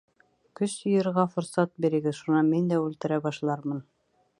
— Көс йыйырға форсат бирегеҙ, шунан мин дә үлтерә башлармын.